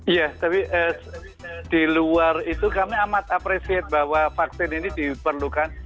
iya tapi di luar itu kami amat appreciate bahwa vaksin ini diperlukan